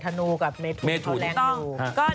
ธนูกับเมธุนก็แรงอยู่ใช่ไหมครับเดี๋ยวเองต้อง